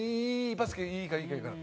バスケいいからいいから」。